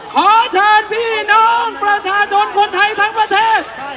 ขอเชิญพี่น้องประชาชนคนไทยทั้งประเทศ